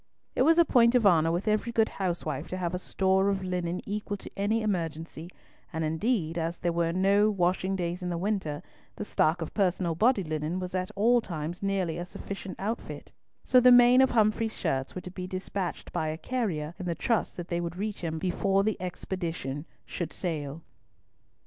It was a point of honour with every good housewife to have a store of linen equal to any emergency, and, indeed, as there were no washing days in the winter, the stock of personal body linen was at all times nearly a sufficient outfit; so the main of Humfrey's shirts were to be despatched by a carrier, in the trust that they would reach him before the expedition should sail.